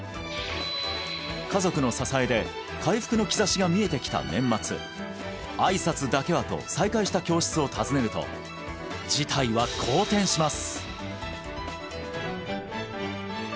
家族の支えで回復の兆しが見えてきた年末「あいさつだけは」と再開した教室を訪ねると事態は好転します